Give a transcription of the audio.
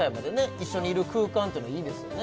一緒にいる空間っていいですよね